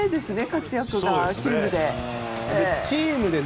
活躍が、チームで。